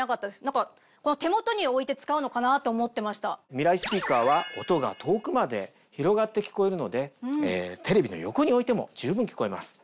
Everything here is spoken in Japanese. ミライスピーカーは音が遠くまで広がって聞こえるのでテレビの横に置いても十分聞こえます。